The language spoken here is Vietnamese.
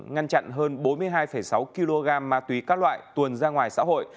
ngăn chặn hơn bốn mươi hai sáu kg ma túy các loại tuồn ra ngoài xã hội